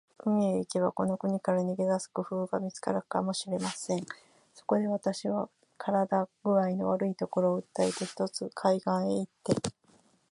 海へ行けば、この国から逃げ出す工夫が見つかるかもしれません。そこで、私は身体工合の悪いことを訴えて、ひとつ海岸へ行って